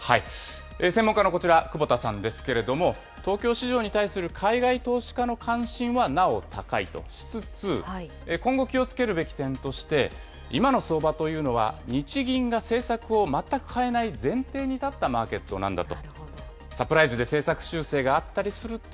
専門家のこちら、窪田さんですけれども、東京市場に対する海外投資家の関心はなお高いとしつつ、今後気をつけるべき点として、今の相場というのは、日銀が政策を全く変えない前提に立ったマーケットだと。